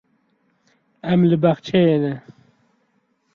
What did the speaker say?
Em li bexçeyê ne.